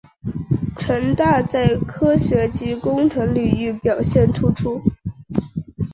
城大在科学及工程领域表现突出。